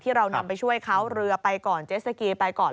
เรานำไปช่วยเขาเรือไปก่อนเจสสกีไปก่อน